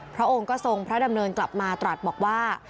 พระองค์ก็ทรงพระดำเนินกลับมาตรัสบอกว่า